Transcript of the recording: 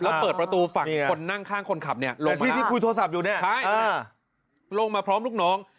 แล้วเปิดประตูฝั่งคนนั่งข้างคนขับเนี่ยลงมาพร้อมลูกน้อง